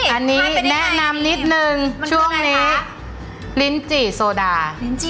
อันนี้แนะนำนิดนึงช่วงนี้ลิ้นจี่โซดา